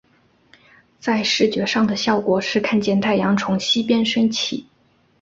在视觉上的效果是看见太阳从西边升起。